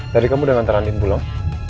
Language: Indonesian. tadi kamu udah ngantarin andin pulang